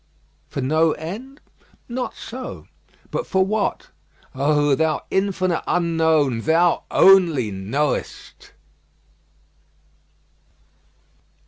For no end? Not so! But for what? O Thou Infinite Unknown, Thou only knowest!